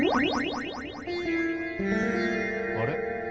あれ？